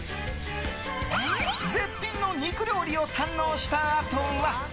絶品の肉料理を堪能したあとは。